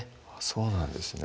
そうなんですね